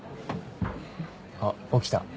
あっ起きた。